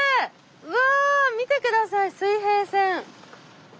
うわ見て下さい水平線！